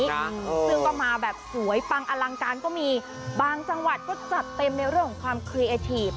ซึ่งก็มาแบบสวยปังอลังการก็มีบางจังหวัดก็จัดเต็มในเรื่องของความครีเอทีฟ